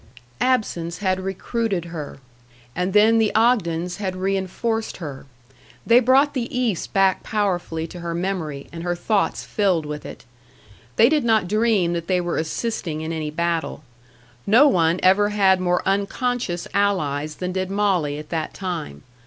Absence had recruited her. And then the Ogdens had reenforced her. They brought the East back powerfully to her memory, and her thoughts filled with it. They did not dream that they were assisting in any battle. No one ever had more unconscious allies than did Molly at that time.